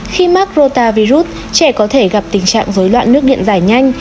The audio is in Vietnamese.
khi mắc rotavirus trẻ có thể gặp tình trạng dối loạn nước điện dài nhanh